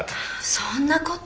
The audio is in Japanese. そんな事。